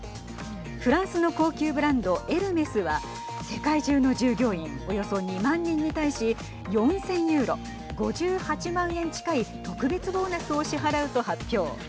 フランスの高級ブランドエルメスは世界中の従業員およそ２万人に対し４０００ユーロ５８万円近い特別ボーナスを支払うと発表。